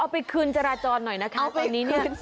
เอาไปคืนจราจรหน่อยนะคะตอนนี้เนี่ย